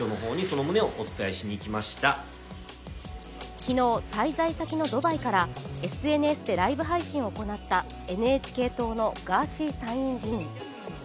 昨日、滞在先のドバイからＳＮＳでライブ配信を行ったＮＨＫ党のガーシー参院議員。